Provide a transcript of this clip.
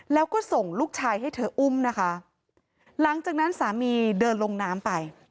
แล้วก็ส่งลูกชายให้เธออุ้มนะคะหลังจากนั้นสามีเดินลงน้ำไป